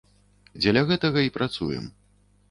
Дзеля гэтага і працуем.